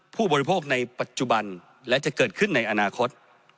ผู้บริโภคในปัจจุบันและจะเกิดขึ้นในอนาคต